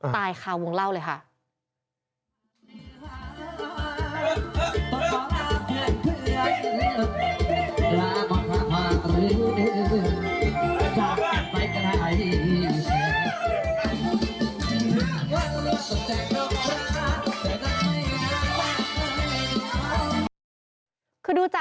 ตายคาวงเล่าเลยค่ะ